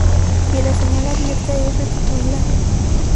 Y la señal abierta es restituida.